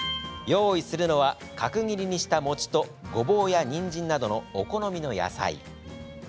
用意するのは角切りにした餅とごぼうやにんじんなどのお好みの野菜。